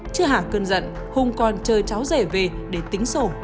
chưa hẳn cơn giận hùng còn chơi cháu rể về để tính sổ